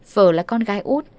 phở là con gái út